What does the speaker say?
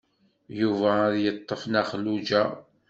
Yuba ad d-yeṭṭef Nna Xelluǧa.